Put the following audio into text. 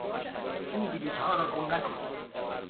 این بلیطها را گم نکن!